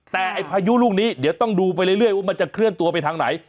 แต่พายุลูกนี้เดี๋ยวต้องดูไปเรื่อยว่ามันจะเคลื่อนตัวไปทางไหน